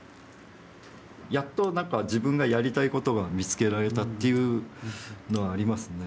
やっと何か自分がやりたいことが見つけられたっていうのはありますね。